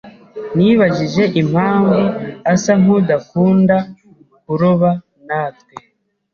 [S] Nibajije impamvu asa nkudakunda kuroba natwe.